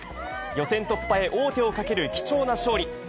予選突破へ、王手をかける貴重な勝利。